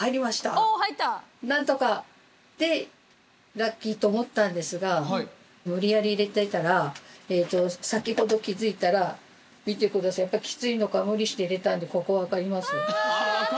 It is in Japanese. ラッキーと思ったんですが先ほど気付いたら見てくださいやっぱきついのか無理して入れたんでここ分かります？